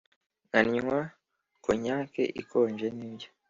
nkanywa konyake ikonje nibyo